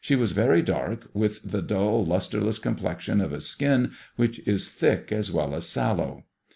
was very dark, with the dull lustreless complexion of a skin which is thick as well as sallow.